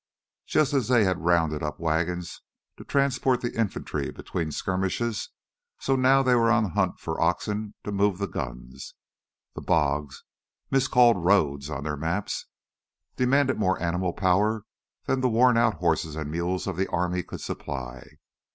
Just as they had rounded up wagons to transport the infantry between skirmishes, so now they were on the hunt for oxen to move the guns. The bogs miscalled "roads" on their maps demanded more animal power than the worn out horses and mules of the army could supply.